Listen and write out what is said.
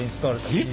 えっ！？